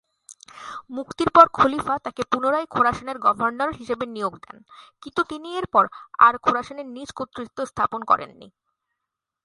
মুক্তির পর খলিফা তাকে পুনরায় খোরাসানের গভর্নর হিসেবে নিয়োগ দেন কিন্তু তিনি এরপর আর খোরাসানে নিজ কর্তৃত্ব স্থাপন করেননি।